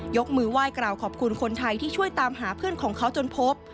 ยกมือไหว้กล่าวขอบคุณคนไทยที่ช่วยตามหาเพื่อนของเขาจนพบ